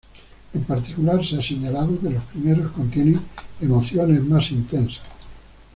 En particular, se ha señalado que los primeros contienen emociones más intensas.